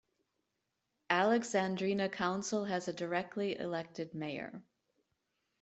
Alexandrina Council has a directly elected mayor.